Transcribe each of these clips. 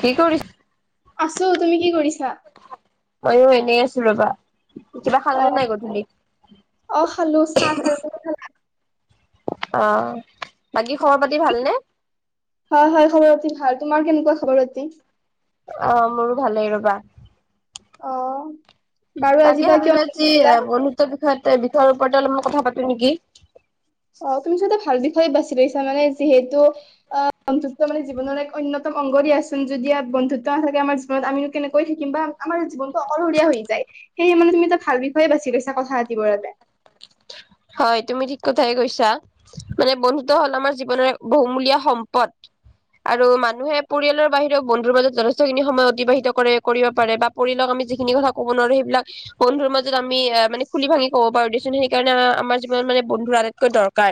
কি কৰিছ আছো তুমি কি কৰিছা মইয়ো এনে আছো ৰবা কিবা খালানে নাই গধূলি অ খালো চাহ খালো অ বাকী খবৰ পাতি ভালনে? হয় হয় খবৰ পাতি ভাল তোমাৰ কেনেকুৱা খবৰ পাতি অ মোৰো ভালেই ৰবা অ বাৰু আজি তাকে বা কিয় ভাবিলো মনত আজি কৰিলা বন্ধুত্ব বিষয় বিষয়ৰ ওপৰতে অলপমান কথা পাতো নেকি অ তুমি চাগে ভাল বিষয়ে বাচি লৈছা মানে যিহেতু অ বন্ধুত্ব মানে জীৱনৰ এক অন্যতম অংগ দিয়াচোন যদি বন্ধুত্ব নাথাকে আমাৰ জীৱনত আমিনো কেনেকৈ থাকিম বা আমাৰ জীৱনটো অকলশৰীয়া হৈ যায় সেয়ে মানে তুমি এটা ভাল বিষয়ে বাচি লৈছা কথা পাতিবৰ বাবে হয় তুমি ঠিক কথাই কৈছা মানে বন্ধুত্ব হ'ল আমাৰ জীৱনৰ এক বহুমূলীয়া সম্পদ আৰু মানুহে পৰিয়ালৰ বাহিৰেও বন্ধুৰ মাজত যথেষ্ট খিনি সময় অতিবাহিত কৰে কৰিব পাৰে বা পৰিয়ালক আমি যিখিনি কথা ক'ব নোৱাৰো সেইবিলাক বন্ধুৰ মাজত আমি মানে খুলি ভাঙি ক'ব পাৰো দিয়াচোন সেইকাৰণে আমাৰ জীৱনত মানে বন্ধুৰ আটাইতকৈ দৰকাৰ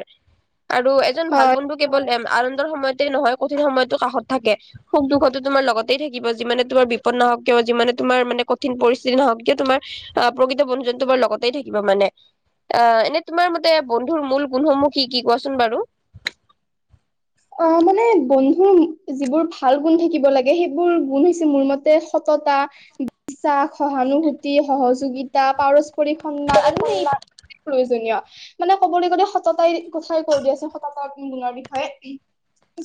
আৰু এজন ভাল হয় বন্ধু কেৱল এম আনন্দৰ সময়তে নহয় কঠিন সময়তো কাষত থাকে সুখ দুখতো তোমাৰ লগতেই থাকিব যিমানে তোমাৰ বিপদ নহওক কিয় যিমানে তোমাৰ মানে কঠিন পৰিস্থিতি নহওক কিয় তোমাৰ অহ প্ৰকৃত বন্ধু যন তোমাৰ লগতেই থাকিব মানে অহ এনে তোমাৰ মতে বন্ধুৰ মূল গুণসমূহ কি কি কোৱাচোন বাৰু অ মানে বন্ধুৰ যিবোৰ ভাল গুণ থাকিব লাগে সেইবোৰ গুণ হৈছে মোৰ মতে সততা বিশ্বাস সহানুভূতি সহযোগিতা পাৰস্পৰিক সন্মান আৰু মানে প্ৰয়োজনীয় মানে ক'বলৈ গলে সততাই কথাই কৈ দি আছে সততাৰ গুণৰ বিষয়ে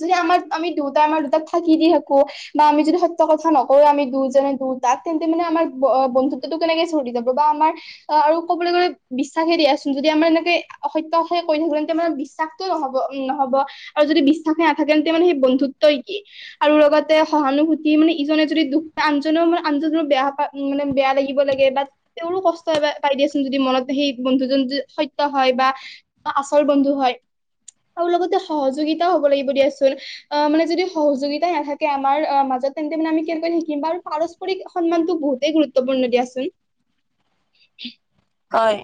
যদি আমাৰ আমি দুইতাই আমাৰ দুটাক ফাকি দি থাকো বা আমি যদি সত্য কথা নকৰো আমি দুইজনে দু তাক তেন্তে মানে আমাৰ বন্ধুত ত' তেনেকে চলি যাব বা আমাৰ অ আৰু ক'বলৈ গ'লে বিশ্বাসে দিয়াচোন যদি আমাৰ এনেকে অসত্য কথাই কৈ থাকো তেন্তে মানে বিশ্বাস ত' নহব উম নহব আৰু যদি বিশ্বাসে নাথাকে তেন্তে মানে সেই বন্ধুত্বই কি আৰু লগতে সহানুভূতি মানে ইজনে যদি দুখ পাই আনজনেও মানে আনজনৰ বেয়া পাই মানে বেয়া লাগিব লাগে বা তেওঁৰো কষ্ট হয় বা পাই দিয়াচোন যদি মনতে সেই বন্ধুজন য সত্য হয় বা আচল বন্ধু হয় আৰু লগতে সহযোগিতাও হব লাগিব দিয়াচোন অ মানে যদি সহযোগিতাই নাথাকে আমাৰ মাজত তেন্তে মানে আমি কেনেকৈ শিকিম বা আৰু পাৰ শ সন্মানতো বহুতেই গুৰুত্বপূৰ্ণ দিয়াচোন হয়।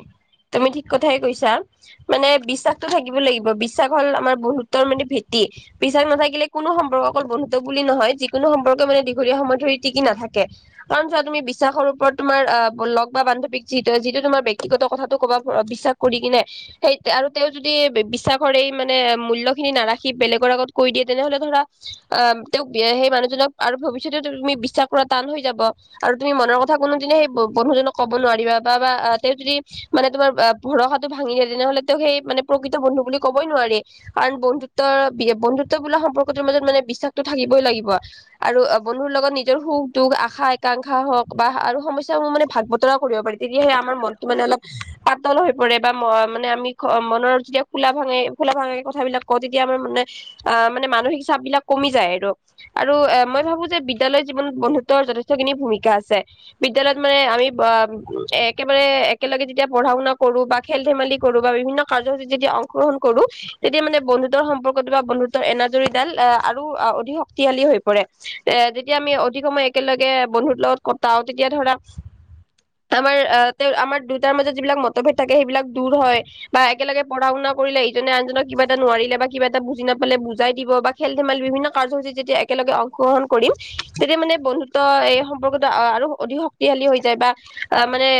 তুমি ঠিক কথাই কৈছা। [unintelligible] মানে বিশ্বাসটো থাকিব লাগিব। বিশ্বাস হ'ল আমাৰ বহুতৰ মানে ভেটি। [unintelligible] বিশ্বাস নাথাকিলে কোনো সম্পৰ্ক অকল বন্ধুত্ব বুলি নহয় যিকোনো সম্পৰ্ক মানে দীঘলীয়া সময় ধৰি টিকি নাথাকে। [unintelligible] কাৰণ চোৱা তুমি বিশ্বাসৰ ওপৰত তোমাৰ আহ লগ বা বান্ধৱী যি [unintelligible] ব্যক্তিগত কথাটো ক'বা বিশ্বাস কৰি কিনে। [unintelligible] সেই আৰু তেওঁ যদি বিশ্বাস কৰে মানে মূল্যখিনি নাৰাখি বেলেগৰ আগত কৈ দিয়ে তেনেহলে ধৰা [unintelligible] আহ তেওঁক সেই মানুহজনক আৰু ভৱিষ্যতেও তুমি বিশ্বাস কৰা টান হৈ যাব। [unintelligible] আৰু তুমি মনৰ কথা কোনোদিনে সেই বন্ধুজনক ক'ব নোৱাৰিবা বা তেওঁ যদি [unintelligible] মানে তোমাৰ ভৰসাটো ভাঙি দিয়ে তেনেহলে তেওঁক সেই মানে প্ৰকৃত বন্ধু বুলি ক'বই নোৱাৰি। [unintelligible] কাৰণ বন্ধুত্বৰ বন্ধুত্ব বোলা সম্পৰ্কতোৰ মাজত মানে বিশ্বাসতটো থাকিবই লাগিব। [unintelligible] আৰু বন্ধুৰ লগত নিজৰ সুখ-দুখ, আশা-আকাংক্ষা হওক বা আৰু সমস্যাবোৰ মানে ভাগ-বতৰা কৰিব পাৰি। [unintelligible] তেতিয়াহে আমাৰ মনটো মানে অলপ পাতল হৈ পৰে বা মানে আমি মনৰ যেতিয়া [unintelligible] ফোলা ভাঙে, ফোলা ভাঙে কথাবিলাক কওঁ তেতিয়া আমাৰ মানে আহ মানে মানসিক চাপ বিলাক কমি যায় আৰু। [inaudible] আৰু এ মই ভাবো যে বিদ্যালয়ৰ জীৱনত বন্ধুত্বৰ যথেষ্টখিনি ভূমিকা আছে। [unintelligible] বিদ্যালয়ত মানে আমি আহ [unintelligible] এ একেবাৰে একেলগে যেতিয়া পঢ়া-শুনা কৰো বা খেল-ধেমালি কৰো বা বিভিন্ন কাৰ্যসূচীত যেতিয়া অংশগ্ৰহণ কৰোঁ [unintelligible] তেতিয়া মানে বন্ধুত্বৰ সম্পৰ্কত বা বন্ধুত্বৰ এনাজৰীডাল আহ আৰু অধিক [unintelligible] শক্তিশালী হৈ পৰে। এ যেতিয়া আমি অধিক সময় একেলগে বন্ধুত লগত কটাও তেতিয়া ধৰা [unintelligible] আমাৰ তেওঁ আমাৰ দুয়োতাৰ মাজত যিবিলাক মতভেদ থাকে সেইবিলাক দূৰ হয়। [unintelligible] বা একেলগে পঢা-শুনা কৰিলে ইজনে আনজনক কিবা এটা নোৱাৰিলে বা কিবা এটা বুজি নাপালে বুজাই দিব বা [unintelligible] খেল-ধেমালি বিভিন্ন কাৰ্যসূচীত যেতিয়া একেলগে অংশগ্ৰহণ কৰিম তেতিয়া মানে বন্ধুত্ব এই সম্পৰ্কতো আৰু [unintelligible] অধিক শক্তিশালী হৈ যায় বা [inaudible] [unintelligible] এ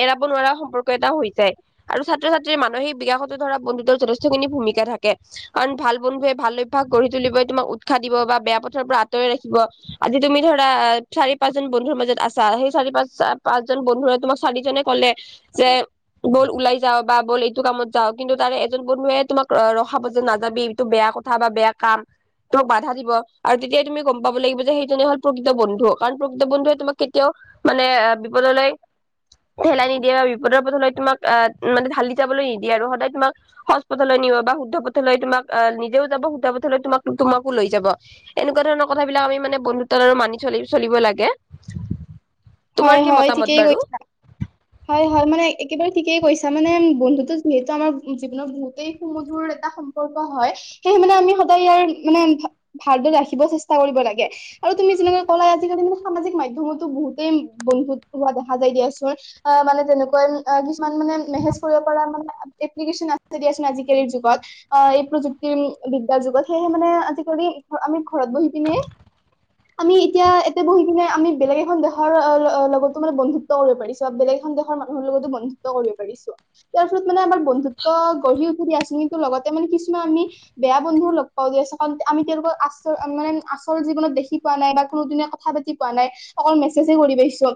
এৰাব নোৱাৰা সম্পৰ্ক এটা হৈ যায়। আৰু ছাত্ৰ-ছাত্ৰীৰ মানসিক বিকাশতো ধৰা বন্ধুত্ব যথেষ্টখিনি ভূমিকা থাকে। [inaudible] কাৰণ ভাল বন্ধুৱে ভাল অভ্যাস গঢ়ি তুলিবলৈ তোমাক উৎসাহ দিব বা বেয়া পথৰ পৰা [unintelligible] আঁতৰাই ৰাখিব। আজি তুমি ধৰা চাৰি-পাঁচজন বন্ধুৰ মাজত আছা সেই চাৰি, পাঁচ পচ [unintelligible] বন্ধুৱে তোমাক চাৰিজনে কলে যে [unintelligible] ব'ল ওলাই যাও বা ব'ল এইটো কামত যাওঁ কিন্তু তাৰে এজন বন্ধুুৱে তোমাক ৰখাব যে নাযাবি এইটো বেয়া কথা [unintelligible] কথা বা বেয়া কাম। [inaudible] তোক বাধা দিব আৰু তেতিয়াই তুমি গম পাব লাগিব যে সেইটো নে হ'ল প্ৰকৃত বন্ধু। কাৰণ প্ৰকৃত বন্ধুৱে তোমাক কেতিয়াও [inaudible] মানে অ [unintelligible] বল ওলাই [unintelligible] ঢেলাই নিদিয়ে বা বিপদৰ পথ হলে তোমাক আহ মানে ঢালি যাবলৈ নিদিয়ে আৰু সদায় তোমাক [unintelligible] সঠপথলৈ নিব বা শুদ্ধ পথলৈ তোমাক নিজেও যাব শুদ্ধ পথলৈ তোমাক তোমাকো লৈ যাব। [unintelligible] এনেকুৱা ধৰণৰ কথাবিলাক আমি মানে বন্ধুত্ব আৰু মানি চলি-চলিব লাগে। তোমাৰ কি মত [unintelligible] কি কৰিছা? [inaudible] [unintelligible] হয়-হয়, মানে একেবাৰে ঠিকেই কৈছা, মানে বন্ধুতো যিহেতু আমাৰ জীৱনত বহুতেই সুমধুৰ এটা [unintelligible] সম্পৰ্ক হয়। সেয়েহে মানে আমি সদায় ইয়াৰ মানে ভালদৰে ৰাখিব চেষ্টা কৰিব লাগে। [unintelligible] আৰু তুমি যেনেকে ক'লা আজিকালি মানে সামাজিক মাধ্যমতো বহুতেই বন্ধুত্ব হোৱা দেখা যায় দিয়া চোন। [unintelligible] অঁ! মানে তেনেকুৱা কিছুমান মানে মেহেজ কৰিব পৰা মানে [unintelligible] এপ্লিকেশচন আছে দিয়াচোন আজিকালিৰ যুগত। [unintelligible] আহ এই প্ৰযুক্তিৰ বিদ্যাৰ যুগত সেয়েহে মানে আজিকালি আমি ঘৰত বহি পিনে [unintelligible] আমি এতিয়া এইয়াতে বহি কিনে আমি বেলেগ এখন দেশৰ লগতো মানে বন্ধুত্ব কৰিব পাৰিছোঁ। [unintelligible] চোৱা বেলেগ এখন দেশৰ মানুহৰ লগতো বন্ধুত্ব কৰিব পাৰিছো। [unintelligible] তাৰপিছত মানে আমাৰ বন্ধুত্ব গঢ়ি উঠি দিয়া আছিল কিন্তু লগতে মানে কিছুমান আমি বেয়া বন্ধু লগ পাও যে চাওঁ তে আমি তেওঁলোকৰ আশৰ মানে আচল জীৱনত দেখি পোৱা নাই বা কোনোদিনে কথা পাতি পোৱা নাই, অকল মেছেজহে কৰি পাইছো।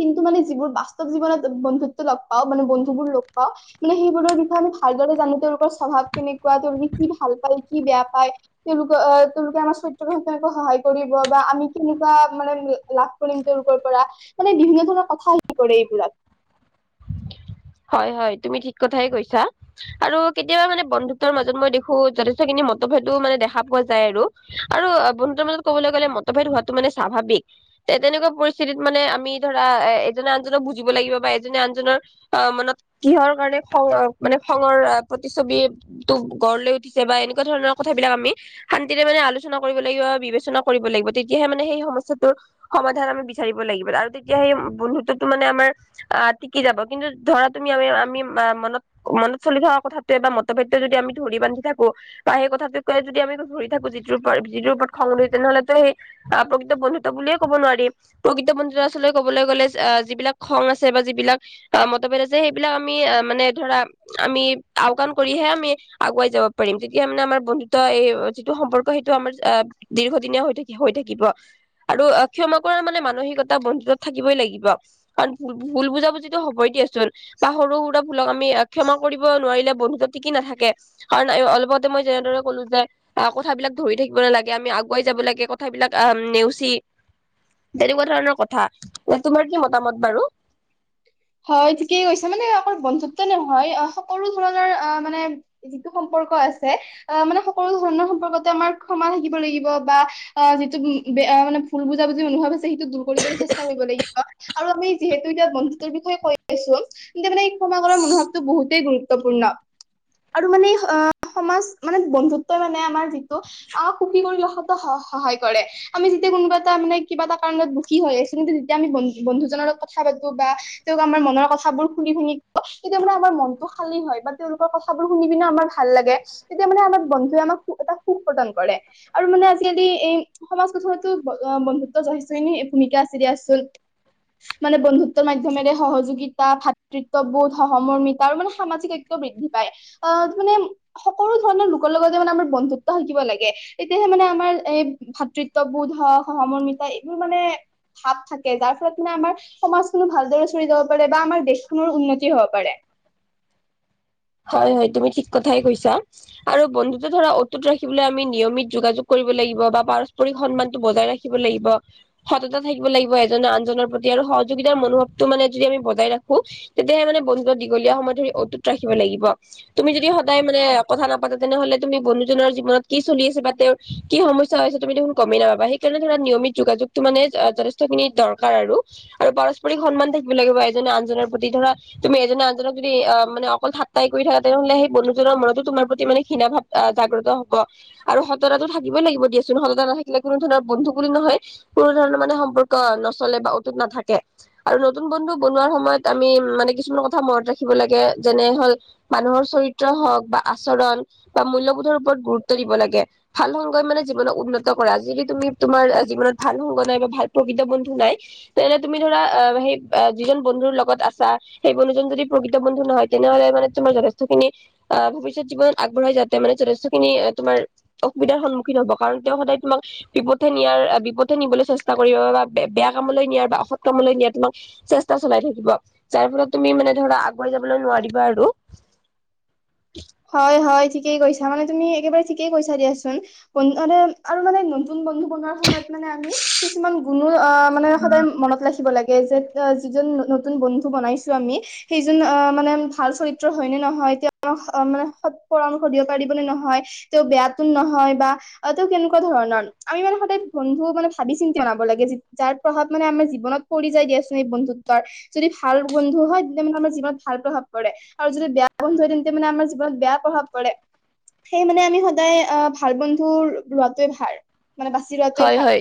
কিন্তু মানে যিবোৰ বাস্তৱ জীৱনত বন্ধুত্ব লগ পাও মানে বন্ধুবোৰ লগ পাও মানে সেইবোৰৰ বিষয়ে আমি ভালদৰে জানো, তেওঁলোকৰ স্বভাৱ কেনেকুৱা? তেওঁলোকে কি ভাল পায়? কি বেয়া পায় তেঁওলোকে আ তেওঁলোকে আমাৰ চৈ তুৰো হুকে আকৌ সহায় কৰিব বা আমি কেনেকুৱা মানে লা - লাভ কৰিম তেওঁলোকৰ পৰা মানে বিভিন্ন ধৰণৰ কথা হে কৰে এইবোৰাক। হয় হয় তুমি ঠিক কথাই কৈছা। আৰু কেতিয়াবা মানে বন্ধুত্বৰ মাজত মই দেখো, যথেষ্টখিনি মতভেদো মানে দেখা পোৱা যায় আৰু। আৰু আ বন্ধুতৰ মাজত ক'বলৈ গ'লে মতভেদ হোৱাটো মানে স্বাভাৱিক। তে তেনেকুৱা পৰিস্থিতিত মানে আমি ধৰা এ এজনে আনজনক বুজিব লাগিব বা এজনে আনজনৰ আ মনত কিহৰ কাৰণে খং আ মানে খঙৰ আ প্ৰতিচ্ছবি তোক গঢ় লৈ উঠিছে বা এনেকুৱা ধৰণৰ কথাবিলাক আমি শান্তিৰে মানে আলোচনা কৰিব লাগিব বা বিবেচনা কৰিব লাগিব তেতিয়াহে মানে সেই সমস্যাটোৰ সমাধান আমি বিচাৰিব লাগিব আৰু তেতিয়া সেই বন্ধুততো মানে আমাৰ আ টিকি যাব। কিন্তু ধৰা তুমি আমি - আমি আ মনত মনত চলি থকা কথাটোৱে বা মতভেদটো যদি আমি ধৰি বান্ধি থাকো বা সেই কথাটোক কে যদি আমি ধৰি থাকো যিটোৰ ওপৰত যিটো ওপৰত খং উঠে তেনেহ'লেতো সেই আ প্ৰকৃত বন্ধুত্ব বুলিয়ে ক'ব নোৱাৰি। প্ৰকৃত বন্ধুত্ব আচলৈ কবলৈ গ'লে আ যিবিলাক খং আছে বা যিবিলাক আ মতভেদে যে সেইবিলাক আমি আ মানে ধৰা আমি আওকান কৰিহে আমি আগুৱাই যাব পাৰিম তেতিয়া মানে আমাৰ বন্ধুত্ব এই যিটো সম্পৰ্ক সেইটো আমাৰ আ দীৰ্ঘদিনীয়া হৈ থাকি হৈ থাকিব আৰু ক্ষমা কৰাৰ মানে মানসিকতা বন্ধুতত থাকিবই লাগিব। কাৰণ ভুল - ভুল বুজাবুজি টো হ'বই দিয়াচোন বা সৰু সুৰা ভুলক আমি আ ক্ষমা কৰিব নোৱাৰিলে বন্ধুত্ব টিকি নাথাকে। কাৰণ এ অলপতে মই যেনেদৰে ক'লো যে আহ কথাবিলাক ধৰি থাকিব নালাগে, আমি আগুৱাই যাব লাগে কথাবিলাক আহ নেওচি তেনেকুৱা ধৰণৰ কথা, ইয়াত তোমাৰ কি মতামত বাৰু? হয় ঠিকেই কৈছে মানে অকল বন্ধুত ত নহয়, অ সকলো ধৰণৰ আ মানে যিটো সম্পৰ্ক আছে অ মানে সকলো ধৰণৰ সম্পৰ্কতে আমাৰ ক্ষমা থাকিব লাগিব বা আ যিটো ওম বেয়া মানে ভুল বুজা - বুজি নোহোৱা গৈছ ত সেইটো দূৰ কৰিবলৈ চেষ্টা কৰিব লাগিব আৰু আমি যিহেতু এতিয়া বন্ধুতৰ বিষয়ে কৈ আছো এতিয়া মানে ক্ষমা কৰাৰ মনোভাৱটো বহুতেই গুৰুত্বপূৰ্ণ। আৰু মানে আ সমাজ মানে বন্ধুত্বই মানে আমাৰ যিটো আমাক সুখী কৰি দিয়া হটো স সহায় কৰে। আমি যেতিয়া কোনোবা এটা মানে কিবা এটা কাৰণত দুখী হৈ আছো কিন্তু তেতিয়া আমি ব বন্ধুজনৰ লগত কথা পাতো বা তেওঁক আমাৰ মনৰ কথাবোৰ শুনি - শুনি পা তেতিয়া মানে আমাৰ মনটো খালী হয় বা তেওঁলোকৰ কথ থাবোৰ শুনি পিনে আমাৰ ভাল লাগে তেতিয়া মানে আমাৰ বন্ধুৱে আমাক সু এটা সুখ প্ৰদান কৰে। আৰু মানে আজিকালি এই সমাজ [inaudible] কততো বন্ধুত্ব [inaudible] ভূমিকা আছিল দিয়াচোন। মানে বন্ধুত্ব মাই মাধ্যমেৰে সহযোগিতা, ভাতৃত্ববোধ, সহৰ্মিতা আৰু মানে সামাজিকত্য বৃদ্ধি পায়। অ মানে সকলো ধৰণৰ লোকৰ লগতে মানে আমাৰ বন্ধুত্ব থাকিব লাগে এতিয়াহে মানে আমাৰ এই ভাতৃত্ববোধ সহমৰ্মিতা এইবোৰ মানে ভাৱ থাকে যাৰ ফলত মানে আমাৰ সমাজো ভালদৰে চৰি যাব পাৰে বা আাৰ দেশখনৰ উন্নতি হব পাৰে হয় হয় তুমি ঠিক কথাই কৈছা আৰু বন্ধুত ধৰা অতটুট ৰাখিবলৈ আমি নিয়মিত যোগাযোগ কৰিব লাগিব বা পাৰস্পৰিক সন্মানতটো বজাই ৰাখিব ৰাখিব লাগিব সততা থাকিব লাগিব এজ আনজনৰ প্ৰতি আৰু সহযোগিতাৰ মনোভাৱটো মানে যদি আমি বজাই ৰাখো তেতিয়াহে মানে বন্ধুক দীঘলীয়া সময় ধৰি অটুত ৰাখিব লাগিব তুমি যদি সদায় মানে কথা নাপাতে তেনেহলে তুমি বন্ধুজনৰ জীৱনত কি চলি আছে বা তেওঁ কি সমস্যা হৈছে তুমি দেখোন গমেই নাপাবা সেইকাৰণে ধৰা নিয়মিত যোগাযোগটো মানে যথেষ্টখিনি দৰকাৰ আৰু। আৰু পাৰস্পৰিক সন্মান থাকিব লাগিব এজনে আনজনৰ প্ৰতি ধৰা তুমি এজনে আনজনক যদি আহ মানে অকল ঠাট্টাই কৰি থকা তেনেহলে সেই বন্ধুজনৰ মনতো তোমাৰ প্ৰতি মানে ঘীনা ভাৱ জাগ্ৰত হব। আৰু সততা থাকিবই লাগিব দিয়াচোন সততা নাথাকিলে কোনো ধৰণৰ বন্ধু বুলি নহয়। কোনো ধৰণৰ মানে সম্পৰ্ক নচলে বা অটুত নাথাকে। আৰু নতুন বন্ধু বনোৱাৰ সময়ত আমি মানে কিছুমান কথা মনত ৰাখিব লাগে যেনে হল মানুহৰ চৰিত্ৰ হওক বা আচৰণ। বা মূল্যবোধৰ ওপৰত গুৰুত্ব দিব লাগে ভাল সংগয় মানে জীৱনক উন্নত কৰে যিটো তুমি তোমাৰ জীৱনত ভাল ভংগ নাই বা ভাল প্ৰকৃত বন্ধু নাই তেনেহলে তুমি ধৰা অ সেই যিজন বন্ধুৰ লগত আছা সেই বন্ধুজন যদি প্ৰকৃত বন্ধু নহয় তেনেহলে মানে তোমাৰ যথেষ্টখিনি আহ ভৱিষ্যত জীৱন আগবঢ়াই যাতে মানে যথেষ্টখিনি তোমাৰ অসুবিধাৰ সন্মুখীন হ'ব কাৰণ তেওঁ সদায় তোমাক বিপথে নিয়াৰ বিপথে নিবলৈ চেষ্টা কৰিব বা বেয়া কামলৈ নিয়াৰ বা অসৎ কামলৈ নিয়াৰ তোমাক চেষ্টা চলাই থাকিব যাৰ ফলত তুমি মানে ধৰা আগুৱাই যাবলৈ নোৱাৰিবা আৰু। হয় হয় ঠিকেই কৈছা মানে তুমি একেবাৰে ঠিকেই কৈছা দিয়াচোন। ব মানে আৰু মানে নতুন বন্ধু বনোৱাৰ সময়ত মানে আমি কিছুমান গুণো আহ মানে সদায় মনত ৰাখিব লাগে যে যিজন নতুন বন্ধু বনাইছো আমি। সেইজন আহ মানে ভাল চৰিত্ৰ হয়নে নহয় তেওঁতিয়া। অ মানে সৎ পৰামৰ্শ দিবলৈ পাৰিব নে নহয় তেওঁ বেয়াতো নহয় বা অ' তো কেনেকুৱা ধৰণৰ আমি মানে সদায় বন্ধু মানে ভাবি চিন্তি জনাব লাগে যাৰ প্ৰভাৱ মানে আমাৰ জীৱনত। কৰি যাই দিয়াছোন এই বন্ধুত্বৰ। যদি ভাল বন্ধু হয় তেন্তে মানে আমাৰ জীৱনত ভাল প্ৰভাৱ পৰে আৰু যদি বেয়া বন্ধু হয় তেন্তে মানে আমাৰ। বেয়া প্ৰভাৱ পৰে। সেই মানে আমি সদায় আহ ভাল বন্ধু লোৱাটোৱে ভাল। মানে বাচি লো হয় হয়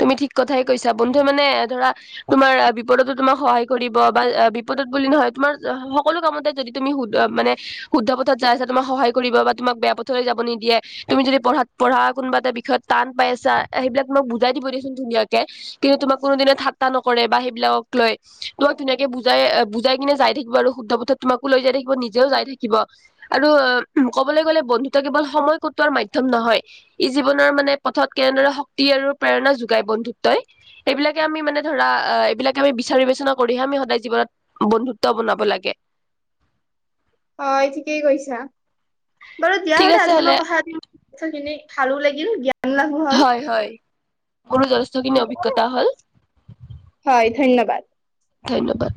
তুমি ঠিক কথাই কৈছা বন্ধু মানে ধৰা তোমাৰ বিপদতো তোমাক সহায় কৰিব বা বিপদত বুলি নহয় তোমাৰ সকলো কামতে যদি। তুমি শু মানে শুদ্ধ পথত যাই আছা তোমাক সহায় কৰিব বা তোমাক বেয়া পথলৈ যাব নিদিয়ে। তুমি যদি পঢ়াত পঢ়া কোনোবা এটা বিষয়ত টান পাইছা সেইবিলাক তোমাক বুজাই দিব দিয়চোন ধুনীয়াকে। কিন্তু তোমাক কোনোদিনে ঠাট্টা নকৰে বা সেইবিলাকক লয়। তোমাক ধুনীয়াকে বুজাই বুজাই কিনে যাই থাকিব আৰু শুদ্ধ পথত তোমাকো লৈ যাই থাকিব নিজেও যাই থাকিব। আৰু ক'বলৈ গলে বন্ধুত কেৱল সময় কটোৱাৰ মাধ্যম নহয় ই জীৱনৰ মানে পথত কেনেদৰে শক্তি আৰু প্ৰেৰণা যোগাই বন্ধুত্বই। এইবিলাকে আমি মানে ধৰা এইবিলাকে আমি বিচাৰ বিবেচনা কৰিহে আমি সদায় জীৱনত বন্ধুত্ব বনাব লাগে। অ' ঠিকেই কৈছা বাৰু দিয়া ঠিক হলে আছে আজি মই কথা পাতিম খিনি ভালো লাগিল জ্ঞান লাভো হ'ল। হয় হয় গৰু জথেষ্ঠখিনি অভিজ্ঞতা হ'ল। হয় ধন্যবাদ। ধন্যবাদ।